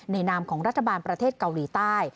นามของรัฐบาลประเทศเกาหลีใต้